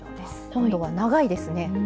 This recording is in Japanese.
今度は長いですね。